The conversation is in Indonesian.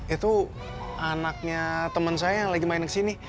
itu anaknya teman saya yang lagi main kesini